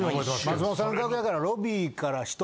松本さんの楽屋からロビーから人